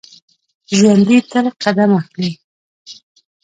ژوندي تل قدم اخلي